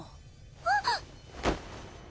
あっ